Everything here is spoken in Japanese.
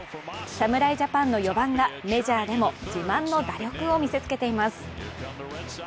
侍ジャパンの４番がメジャーでも自慢の打力を見せつけています。